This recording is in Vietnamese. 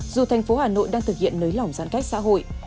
dù thành phố hà nội đang thực hiện nới lỏng giãn cách xã hội